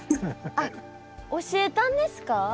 あっ教えたんですか？